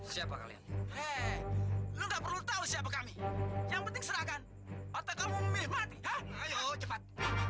sekarang juga siapa kalian